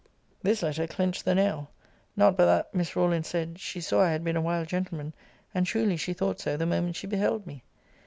This letter clench'd the nail. Not but that, Miss Rawlins said, she saw I had been a wild gentleman; and, truly she thought so the moment she beheld me.